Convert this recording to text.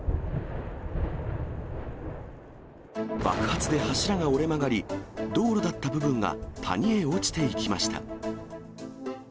爆発で柱が折れ曲がり、道路だった部分が谷へ落ちていきました。